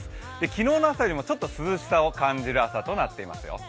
昨日の朝よりもちょっと涼しさを感じる朝となっていますよ。